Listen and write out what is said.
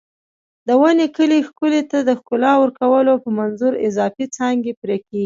د ونې کلي شکل ته د ښکلا ورکولو په منظور اضافي څانګې پرې کېږي.